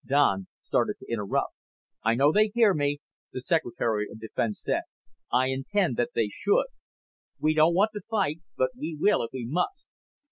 Don started to interrupt. "I know they hear me," the Secretary of Defense said. "I intend that they should. We don't want to fight but we will if we must.